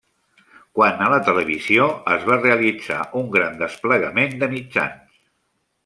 Quant a la televisió, es va realitzar un gran desplegament de mitjans.